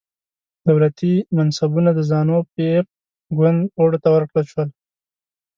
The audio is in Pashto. دولتي منصبونه د زانو پي ایف ګوند غړو ته ورکړل شول.